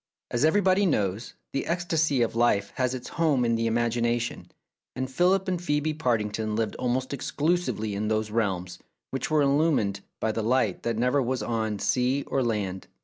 As everybody knows, the ecstasy of life has its home in the imagination, and Philip and Phcebe Partington lived almost exclusively in those realms which were illumined by the light that never was on sea or land.